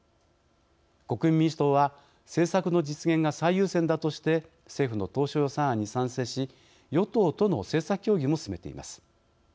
国民民主党は、政策の実現が最優先だとして政府の当初予算案に賛成し与党との政策協議も進めています。